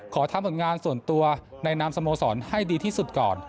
ขอทำผลงานส่วนตัวในนามสโมสรให้ดีที่สุดก่อน